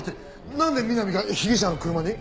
なんでみなみが被疑者の車に？